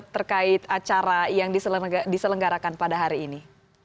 terkait acara yang diselenggarakan pada hari ini